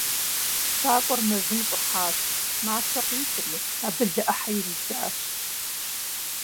Щакӏуэр мэзым щӏыхьащ, мащэ къитӏри, абы лы ӏыхьэ иридзащ.